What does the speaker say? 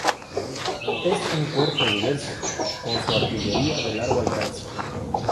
Es un cuerpo diverso, con su artillería de largo alcance.